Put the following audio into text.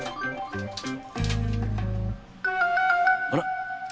あら？